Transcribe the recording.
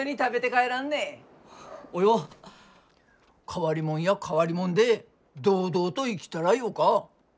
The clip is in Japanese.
変わりもんや変わりもんで堂々と生きたらよか。